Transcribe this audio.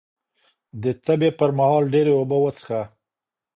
د تبې پر مهال ډېرې اوبه وڅښه